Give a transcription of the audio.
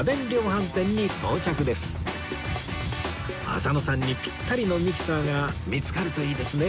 浅野さんにピッタリのミキサーが見つかるといいですね